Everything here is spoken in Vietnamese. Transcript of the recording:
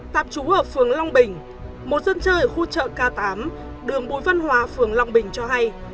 tạm trú ở phường long bình một dân chơi ở khu chợ k tám đường bùi văn hòa phường long bình cho hay